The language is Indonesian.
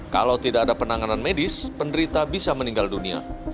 kalau tidak ada penanganan medis penderita bisa meninggal dunia